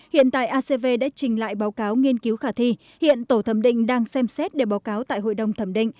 hiện tại acv đã trình lại báo cáo nghiên cứu khả thi hiện tổ thẩm định đang xem xét để báo cáo tại hội đồng thẩm định